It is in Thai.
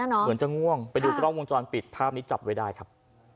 เหมือนจะง่วงไปดูกล้องวงจรปิดภาพนี้จับไว้ได้ครับ